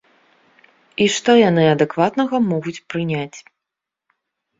І што яны адэкватнага могуць прыняць?